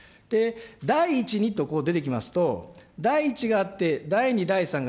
第１にと出てきますと、第１があって、第２、第３が。